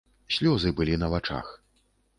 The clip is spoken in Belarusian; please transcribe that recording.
Слёзы былі на вачах.